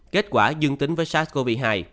kết quả dương tính với trường hợp